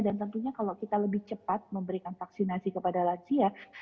dan tentunya kalau kita lebih cepat memberikan vaksinasi kepada lansia